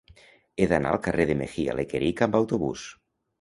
He d'anar al carrer de Mejía Lequerica amb autobús.